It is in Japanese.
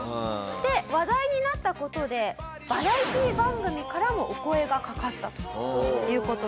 で話題になった事でバラエティー番組からもお声がかかったという事なんです。